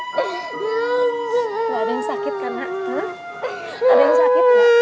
gak ada yang sakit kan nak